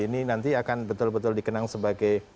ini nanti akan betul betul dikenang sebagai